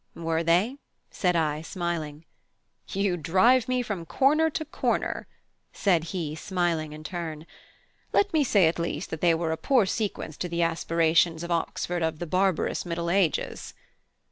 "Were they?" said I, smiling. "You drive me from corner to corner," said he, smiling in turn. "Let me say at least that they were a poor sequence to the aspirations of Oxford of 'the barbarous Middle Ages.'"